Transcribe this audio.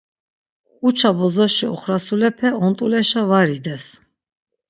Uça bozoşi oxrasurepe ont̆uleşa var ides.